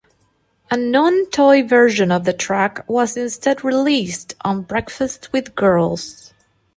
A non-toy version of the track was instead released on "Breakfast with Girls".